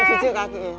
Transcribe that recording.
wah aneh curut